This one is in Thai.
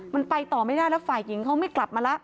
มันไปต่อไม่ได้แล้วฝ่ายหญิงเขาไม่กลับมาแล้ว